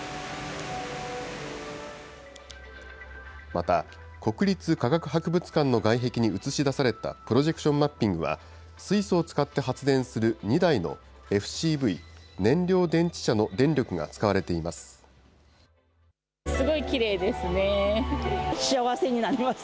また、国立科学博物館の外壁に映し出されたプロジェクションマッピングは、水素を使って発電する２台のＦＣＶ・燃料電池車の電力が使われています。